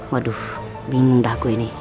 waduh bingung dah gue ini